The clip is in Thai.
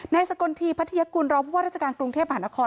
ในสกลทีพระที่ยักษ์กูลรอบพระพุทธราชการกรุงเทพฯมหานคร